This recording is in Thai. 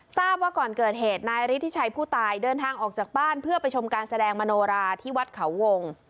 ทราบว่าก่อนเกิดเหตุนายฤทธิชัยผู้ตายเดินทางออกจากบ้านเพื่อไปชมการแสดงมโนราที่วัดเขาวง